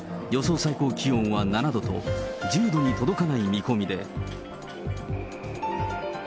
最高気温は７度と、１０度に届かない見込みで。